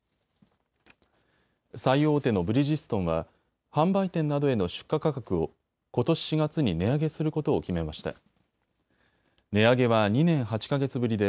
最大手のブリヂストンは販売店などへの出荷価格をことし４月に値上げすることを決めました。